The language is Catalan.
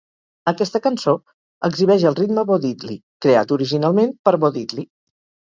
Aquesta cançó exhibeix el ritme Bo-Diddley, creat originalment per Bo Diddley.